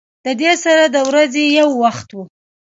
د دې سره د ورځې يو وخت